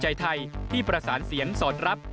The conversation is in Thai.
ใจไทยที่ประสานเสียงสอดรับ